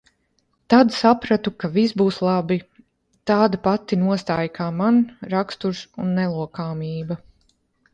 Tad sapratu, ka viss būs labi. Tāda pati nostāja kā man, raksturs un nelokāmība.